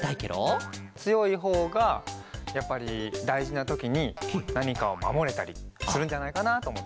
つよいほうがやっぱりだいじなときになにかをまもれたりするんじゃないかなとおもって。